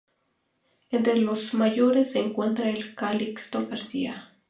Entre los mayores se encuentra el Calixto García.